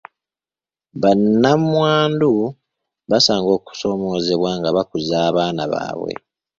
Bannamwandu basanga okusoomoozebwa nga bakuza abaana baabwe.